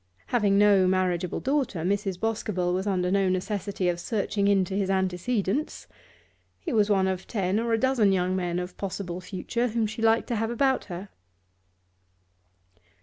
Having no marriageable daughter, Mrs. Boscobel was under no necessity of searching into his antecedents. He was one of ten or a dozen young men of possible future whom she liked to have about her.